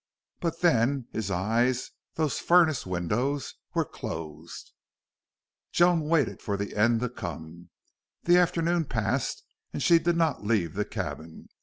But then, his eyes, those furnace windows, were closed. Joan waited for the end to come. The afternoon passed and she did not leave the cabin.